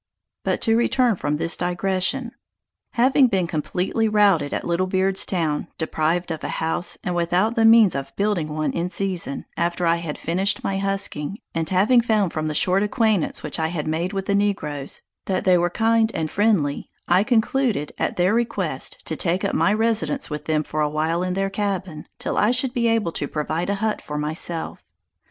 But to return from this digression: Having been completely routed at Little Beard's Town, deprived of a house, and without the means of building one in season, after I had finished my husking, and having found from the short acquaintance which I had had with the negroes, that they were kind and friendly, I concluded, at their request, to take up my residence with them for a while in their cabin, till I should be able to provide a hut for myself.